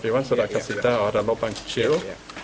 pak iwan sudah kasih tahu ada lubang kecil